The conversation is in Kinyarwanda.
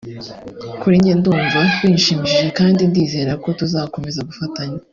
kuri njye ndumva binshimishije kandi ndizerako tuzakomeza tugafatanya